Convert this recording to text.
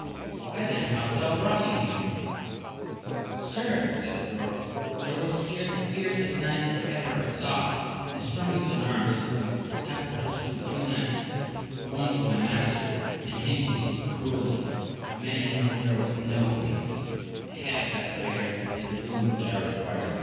— ^Why then hast thou brought me here ? Sir, said the dwarf, there was here the fiercest knight that ever I saw, and the strongest in arms, who in that porch slew two knights ; the one was my master, and him he slew cruelly, as a man in whom there was no pity : the head of that traitor is the boon which I required.